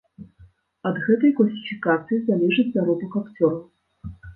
Ад гэтай класіфікацыі залежыць заробак акцёраў.